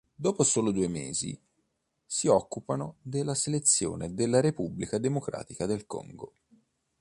Dopo soli due mesi, si occupano della selezione della Repubblica Democratica del Congo.